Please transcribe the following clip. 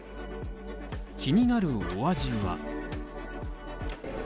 気になるお味は。